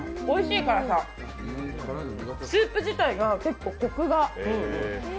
おいしいからさ、スープ自体が結構こくが。